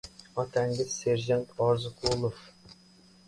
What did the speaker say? — Otangiz, serjant Orziqulov.